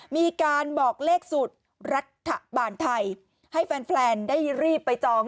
มีการบอกเลขสูตรรัฐบาลไทยให้แฟนได้รีบไปจอง